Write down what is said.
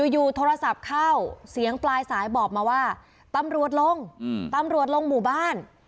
อยู่โทรศัพท์เข้าเสียงปลายสายบอกมาว่าตำรวจลงตำรวจลงหมู่บ้าน